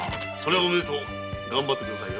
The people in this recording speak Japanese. おめでとうがんばってくださいよ。